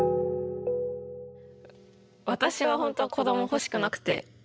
私はほんとは子ども欲しくなくて。